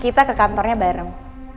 kita ke kantornya bareng